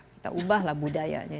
kita ubahlah budayanya